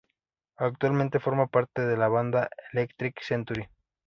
Actualmente forma parte de la banda Electric Century.